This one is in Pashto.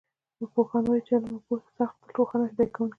پوهان وایي چې د علم او پوهې څراغ تل روښانه او هدایت کوونکې وي